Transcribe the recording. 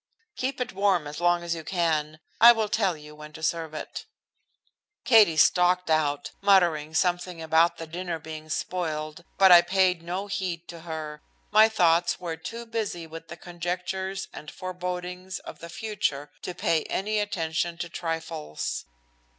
"Keep it warm as long as you can. I will tell you when to serve it." Katie stalked out, muttering something about the dinner being spoiled, but I paid no heed to her. My thoughts were too busy with conjectures and forebodings of the future to pay any attention to trifles.